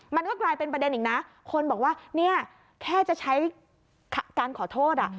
มันก็กลายเป็นประเด็นอีกนะคนบอกว่าเนี่ยแค่จะใช้การขอโทษอ่ะ